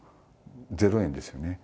０円ですよね。